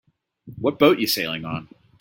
What boat you sailing on?